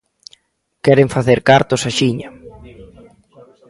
Queren facer cartos axiña.